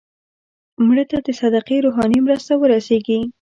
مړه ته د صدقې روحاني مرسته ورسېږي